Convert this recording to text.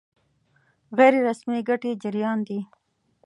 غیر رسمي ګټې جريان دي.